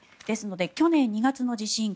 ですので、去年２月の地震